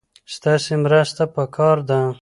ستاسې مرسته پکار ده.